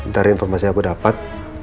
dari informasi yang aku dapat